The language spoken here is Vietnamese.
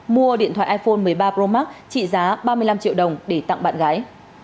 mua điện thoại iphone một mươi ba pro max trị giá ba mươi năm triệu đồng để tặng bạn gái